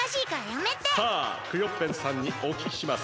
さあクヨッペンさんにおききします。